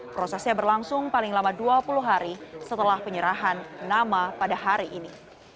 prosesnya berlangsung paling lama dua puluh hari setelah penyerahan nama pada hari ini